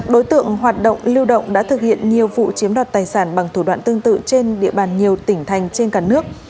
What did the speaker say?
đối tượng hoạt động lưu động đã thực hiện nhiều vụ chiếm đoạt tài sản bằng thủ đoạn tương tự trên địa bàn nhiều tỉnh thành trên cả nước